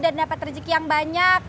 dan dapet rejeki yang banyak